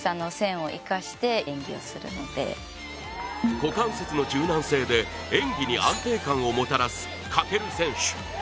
股関節の柔軟性で演技に安定感をもたらす翔選手。